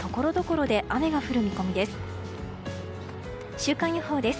週間予報です。